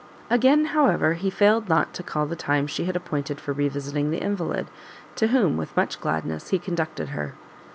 Again, however, he failed not to call the time she had appointed for re visiting the invalid, to whom, with much gladness, he conducted her.